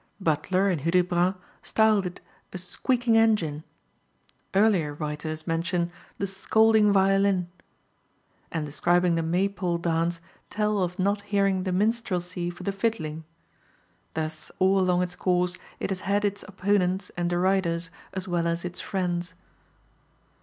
Butler, in Hudibras, styled it "a squeaking engine." Earlier writers mention "the scolding violin," and describing the Maypole dance tell of not hearing the "minstrelsie for the fiddling." Thus all along its course it has had its opponents and deriders as well as its friends.